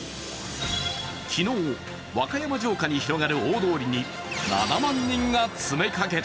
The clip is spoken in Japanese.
昨日、和歌山城下に広がる大通りに７万人が詰めかけた。